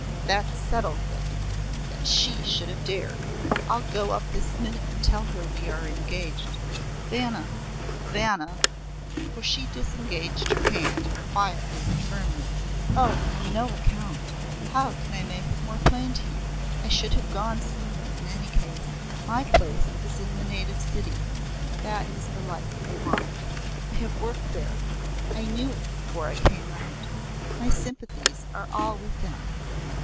"That settles it! that she should have dared! I'll go up this minute and tell her we are engaged. Vanna Vanna!" For she disengaged her hand, quietly but firmly. "On no account. How can I make it more plain to you? I should have gone soon in any case. My place is in the native city that is the life I want. I have work there, I knew it before I came out. My sympathies are all with them.